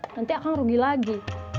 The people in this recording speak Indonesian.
nanti akang rugi lagi